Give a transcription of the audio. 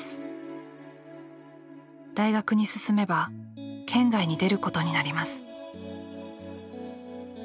大学に進めば県外に出ることになります。